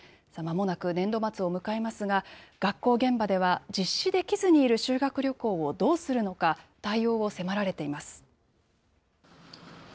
まもなく年度末を迎えますが、学校現場では、実施できずにいる修学旅行をどうするのか、対応を迫られています。